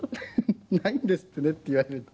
「ないんですってね」って言われると。